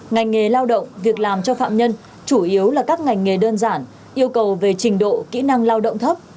ngành nghề lao động việc làm cho phạm nhân chủ yếu là các ngành nghề đơn giản yêu cầu về trình độ kỹ năng lao động thấp